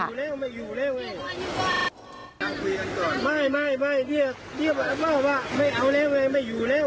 ซักประโยชน์เราไม่อยากได้อยู่เลย